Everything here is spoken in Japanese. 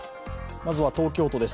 まずは東京都です。